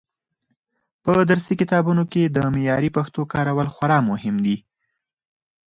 په درسي کتابونو کې د معیاري پښتو کارول خورا مهم دي.